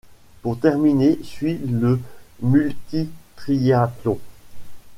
Pour terminer suit le multitriathlon.